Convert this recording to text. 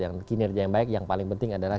yang kinerja yang baik yang paling penting adalah